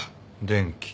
電気。